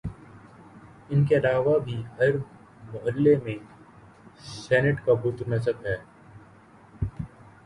ان کے علاوہ بھی ہر محلے میں سینٹ کا بت نصب ہے